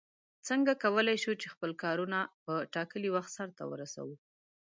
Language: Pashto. څنگه کولای شو چې خپل کارونه په ټاکلي وخت سرته ورسوو؟